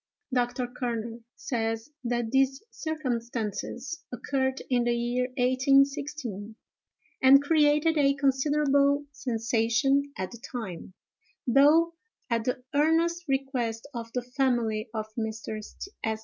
Dr. Kerner says that these circumstances occurred in the year 1816, and created a considerable sensation at the time, though, at the earnest request of the family of Mr. St.